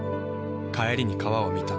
帰りに川を見た。